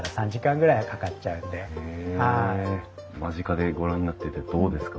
間近でご覧になっててどうですか？